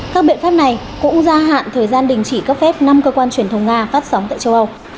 các biện pháp này cũng gia hạn thời gian đình chỉ cấp phép năm cơ quan truyền thông nga phát sóng tại châu âu